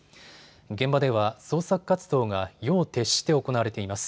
現場では捜索活動が夜を徹して行われています。